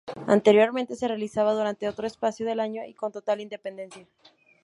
Anteriormente se realizaba durante otro espacio del año y con total independencia.